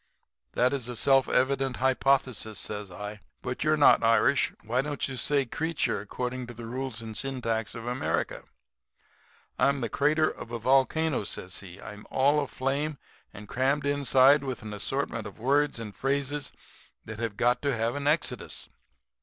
"'That's a self evident hypothesis,' says I. 'But you're not Irish. Why don't you say 'creature,' according to the rules and syntax of America?' "'I'm the crater of a volcano,' says he. 'I'm all aflame and crammed inside with an assortment of words and phrases that have got to have an exodus.